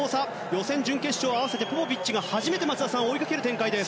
予選と準決勝合わせてポポビッチが初めて追いかける展開です。